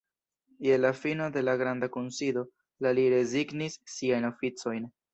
Je la fino de la Granda Kunsido la li rezignis siajn oficojn.